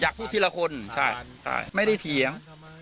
อยากพูดทีละคนไม่ได้เถียง